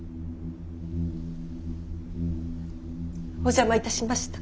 お邪魔いたしました。